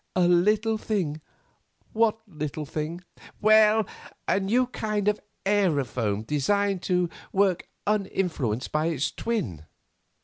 "A little thing? What little thing?" "Well, a new kind of aerophone designed to work uninfluenced by its twin."